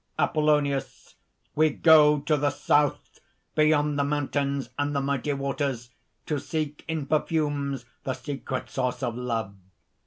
APOLLONIUS. "We go to the South, beyond the mountains and the mighty waters, to seek in perfumes the secret source of love.